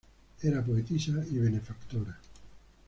Era poetisa y benefactora.